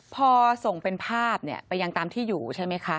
พอส่งเป็นภาพไปยังตามที่อยู่ใช่ไหมคะ